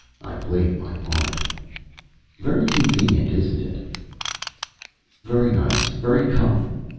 I played my part. "Very convenient isn't it?" "Very nice. Very comf..."